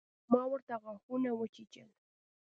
ما ورته غاښونه وچيچل.